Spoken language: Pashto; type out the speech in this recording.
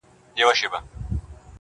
د خان زوی وسو په کلي کي ښادي سوه -